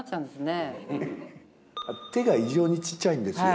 手が異常にちっちゃいんですよ。